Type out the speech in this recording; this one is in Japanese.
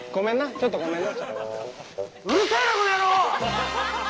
ちょっとごめんな。